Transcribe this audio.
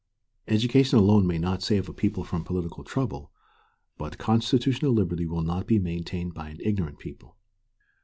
Education alone may not save a people from political trouble, but constitutional liberty will not be maintained by an ignorant people.